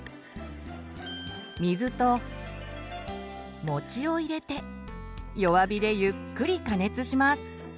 水と餅を入れて弱火でゆっくり加熱します。